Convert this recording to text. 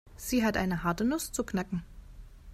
Sie hat eine harte Nuss zu knacken.